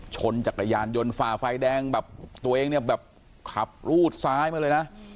ชนจักรยานยนต์ฝ่าไฟแดงแบบตัวเองเนี่ยแบบขับรูดซ้ายมาเลยนะ